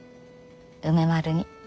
梅丸に。